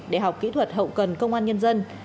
đại học kỹ thuật hậu cần công an nhân dân